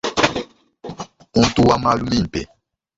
Muntu wa malu mimpe.